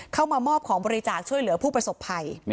เข้ามามอบของบริจาคช่วยเหลือผู้ประสบภัย